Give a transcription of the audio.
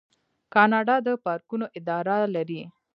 کاناډا د پارکونو اداره لري.